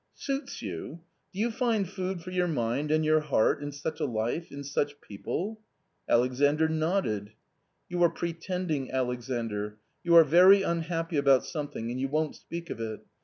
" Suits you ? Do you find food for your mind and your heart in such a life, in such people ?" Alexandr nodded. " You are pretending, Alexandr ; you are very unhappy about something, and you won't speak of it.